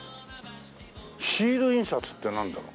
シール印刷ってなんだろう？